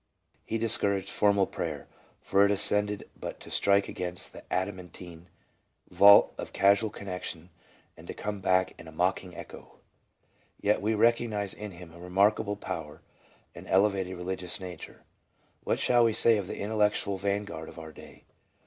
He discouraged formal prayer, for it ascended but to strike against the adamantine vault of causal connection and to come back in a mocking echo. Yet we recognize in him a remarkably powerful and elevated religious nature. What shall we say of the intellectual vanguard of our day?